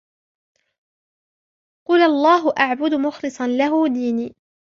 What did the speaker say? قل الله أعبد مخلصا له ديني